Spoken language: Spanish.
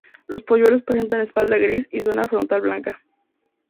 Los polluelos presentan espalda gris y zona frontal blanca.